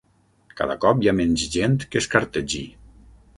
Cada cop hi ha menys gent que es cartegi.